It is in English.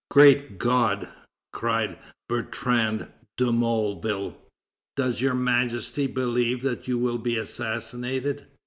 "Great God!" cried Bertrand de Molleville, "does Your Majesty believe that you will be assassinated?"